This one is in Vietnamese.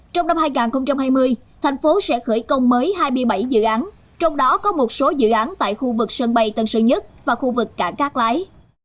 trong năm hai nghìn hai mươi tp hcm sẽ khởi công mới hai mươi bảy dự án trong đó có một số dự án tại khu vực sân bay tân sơn nhất và khu vực cả các lái